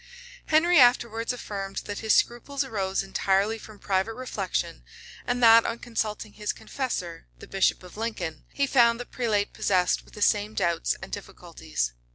Henry afterwards affirmed that his scruples arose entirely from private reflection; and that on consulting his confessor, the bishop of Lincoln, he found the prelate possessed with the same doubts and difficulties.